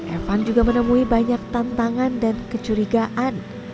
evan juga menemui banyak tantangan dan kecurigaan